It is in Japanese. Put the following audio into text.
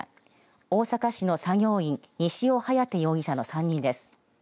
大阪市の作業員西尾駿風容疑者の３人です。